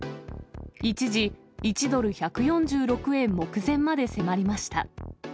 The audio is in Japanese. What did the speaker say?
一時、１ドル１４６円目前まで迫りました。